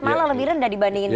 malah lebih rendah dibandingin